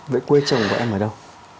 vậy quê chồng của em ở đâu